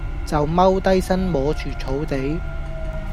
就踎低身摸住草地